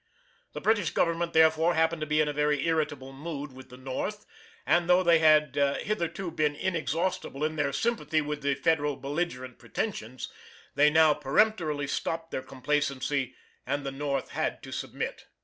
The British Government, therefore, happened to be in a very irritable mood with the North, and though they had hitherto been inexhaustible in their sympathy with the Federal belligerent pretensions, they now peremptorily stopped their complacency and the North had to submit.